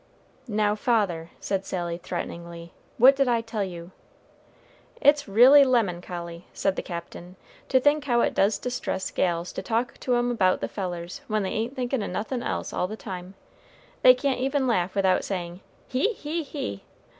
"Now, father," said Sally, threateningly, "what did I tell you?" "It's really lemancholy," said the Captain, "to think how it does distress gals to talk to 'em 'bout the fellers, when they ain't thinkin' o' nothin' else all the time. They can't even laugh without sayin' he he he!"